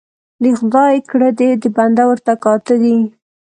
ـ د خداى کړه دي د بنده ورته کاته دي.